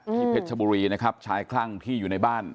เพชรชบุรีนะครับชายคลั่งที่อยู่ในบ้าน